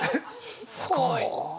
すごい。